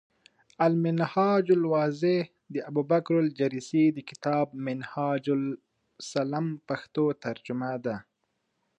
المنهاج الواضح، د الابوبکرالجريسي د کتاب “منهاج المسلم ” پښتو ترجمه ده ۔